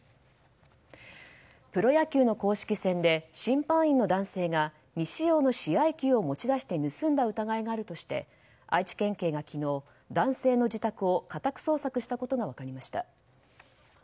プロ野球の公式戦で審判員の男性が未使用の試合球を持ち出して盗んだ疑いがあるとして愛知県警が昨日男性の自宅を家宅捜索したことが分かりました。